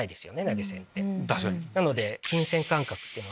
なので。